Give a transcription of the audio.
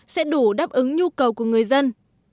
sẽ đủ đáp ứng nhu cầu của người dân